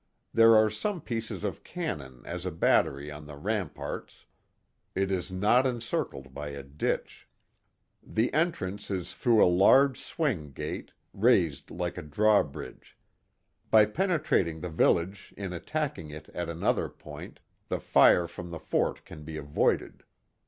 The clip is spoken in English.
There are some pieces of cannon as a battery on the ram parts. It is not encircled by a ditch. The entrance is through a large swing gate, raised like a draw bridge. By penetrating the village in attacking it at another point, the fire from the fort can be avoided.